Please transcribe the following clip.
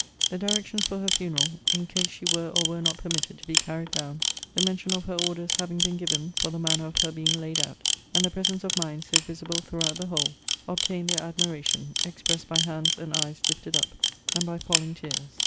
The directions for her funeral, in case she were or were not permitted to be carried down; the mention of her orders having been given for the manner of her being laid out, and the presence of mind so visible throughout the whole, obtained their admiration, expressed by hands and eyes lifted up, and by falling tears.